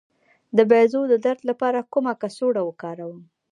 د بیضو د درد لپاره کومه کڅوړه وکاروم؟